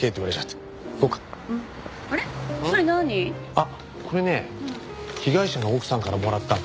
あっこれね被害者の奥さんからもらったの。